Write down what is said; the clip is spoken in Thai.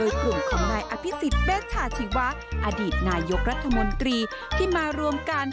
โดยกลุ่มของนายอภิษฐ์เบสถาชีวะ